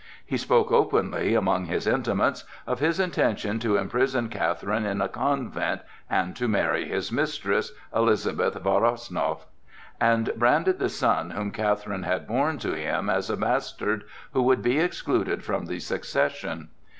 He spoke openly, among his intimates, of his intention to imprison Catherine in a convent and to marry his mistress, Elizabeth Woronzow, and branded the son whom Catherine had borne to him, as a bastard, who would be excluded from the succession.